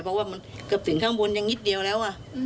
เพราะถึงข้างบนยังนิดเดียว